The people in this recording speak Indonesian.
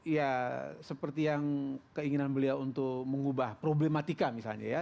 ya seperti yang keinginan beliau untuk mengubah problematika misalnya ya